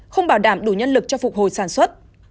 không bảo đảm đủ nhân lực cho phục hồi sản xuất